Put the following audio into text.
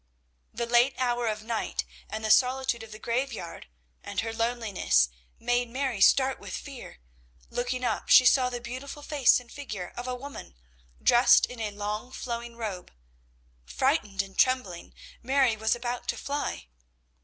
The late hour of night and the solitude of the graveyard and her loneliness made Mary start with fear. Looking up she saw the beautiful face and figure of a woman, dressed in a long flowing robe. Frightened and trembling, Mary was about to fly.